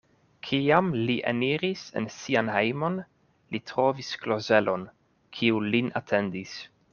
Kiam li eniris en sian hejmon, li trovis Klozelon, kiu lin atendis.